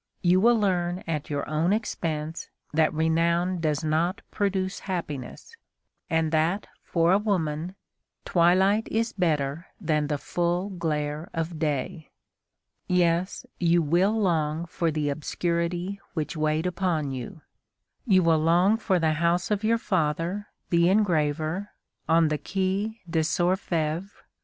You will learn at your own expense that renown does not produce happiness, and that, for a woman, twilight is better than the full glare of day. Yes, you will long for the obscurity which weighed upon you. You will long for the house of your father, the engraver, on the Quai des Orfèvres.